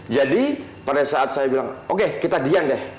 jadi pada saat saya bilang oke kita dian deh